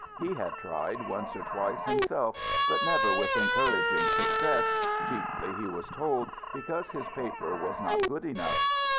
He had tried once or twice himself, but never with encouraging success, chiefly, he was told, because his paper was not good enough.